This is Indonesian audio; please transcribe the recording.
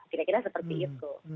kira kira seperti itu